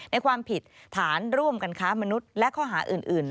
ความผิดฐานร่วมกันค้ามนุษย์และข้อหาอื่น